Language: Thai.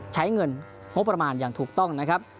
ใช้เงินงบประมาณอย่างถูกต้องนะครับ